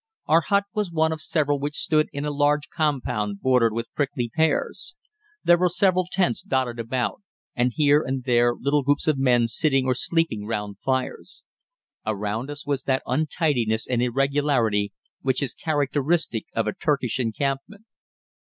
Our hut was one of several which stood in a large compound bordered with prickly pears. There were several tents dotted about, and here and there little groups of men sitting or sleeping round fires. Around us was that untidiness and irregularity which is characteristic of a Turkish encampment.